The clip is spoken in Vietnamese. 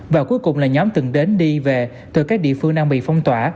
và cuối cùng là nhóm từng đến đi về từ các địa phương đang bị phong tỏa